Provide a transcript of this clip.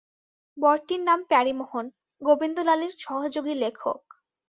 বরটির নাম প্যারীমোহন, গোবিন্দলালের সহযোগী লেখক।